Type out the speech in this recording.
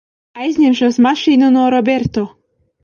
Aizņemšos mašīnu no Roberto.